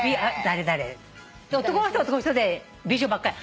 男の人は男の人で美女ばっかり。